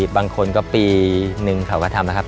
บางคนก็ปีนึงเขาก็ทำนะครับ